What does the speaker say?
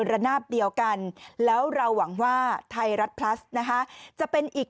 ระนาบเดียวกันแล้วเราหวังว่าไทยรัฐพลัสนะคะจะเป็นอีก